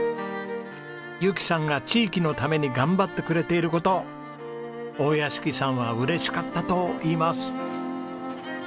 ゆきさんが地域のために頑張ってくれている事大屋敷さんは嬉しかったと言います。